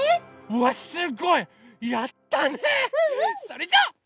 それじゃ。